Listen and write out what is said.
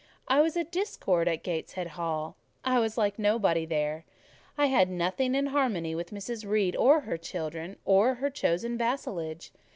I was a discord in Gateshead Hall: I was like nobody there; I had nothing in harmony with Mrs. Reed or her children, or her chosen vassalage.